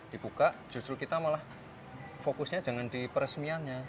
dibuka justru kita malah fokusnya jangan di peresmiannya